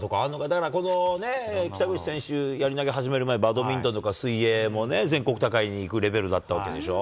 だからこのね、北口選手、やり投げ始める前、バドミントンとか水泳も全国とかに行くレベルだったわけでしょ。